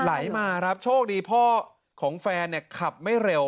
ไหลมาครับโชคดีพ่อของแฟนเนี่ยขับไม่เร็ว